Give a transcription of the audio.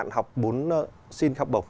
nếu các bạn muốn xin học bổng